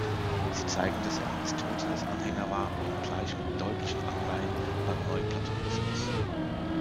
Sie zeigen, dass er Aristoteles-Anhänger war, wenngleich mit deutlichen Anleihen beim Neuplatonismus.